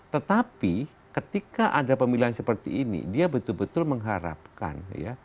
tetapi ketika ada pemilihan seperti ini dia betul betul mengharapkan ya